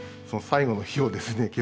その最後の灯をですね